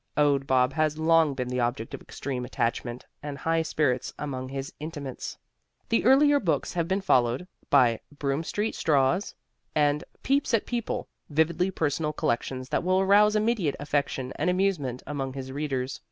Owd Bob has long been the object of extreme attachment and high spirits among his intimates. The earlier books have been followed by "Broome Street Straws" and "Peeps at People," vividly personal collections that will arouse immediate affection and amusement among his readers.